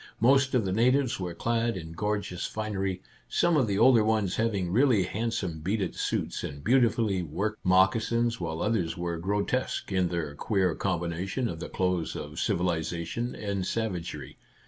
Most of the natives were clad in gorgeous finery, some of the older ones having really handsome beaded suits and beautifully worked moccasins, while others were grotesque in their queer com 34 Our Little Canadian Cousin bination of the clothes of civilization and sav agery.